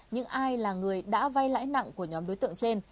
những ai là người đã vay lãi nặng của nhóm đối tượng trên